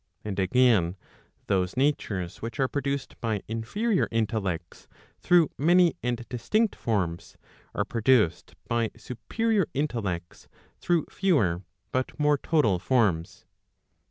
And again, those natures which are produced by inferior intellects through many and distinct forms, are produced by superior intellects through fewer, but more total forms.